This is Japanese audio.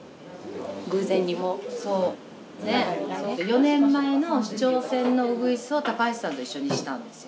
４年前の市長選のウグイスを高橋さんと一緒にしたんですよ。